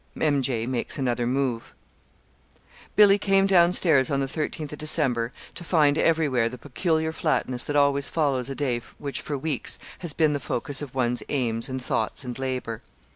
M. J. MAKES ANOTHER MOVE Billy came down stairs on the thirteenth of December to find everywhere the peculiar flatness that always follows a day which for weeks has been the focus of one's aims and thoughts and labor.